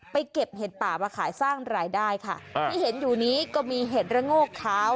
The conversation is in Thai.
เก็บเห็ดป่ามาขายสร้างรายได้ค่ะที่เห็นอยู่นี้ก็มีเห็ดระโงกขาว